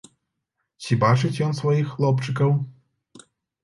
Ці бачыць ён сваіх хлопчыкаў?